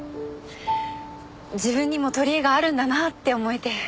自分にも取り柄があるんだなって思えて。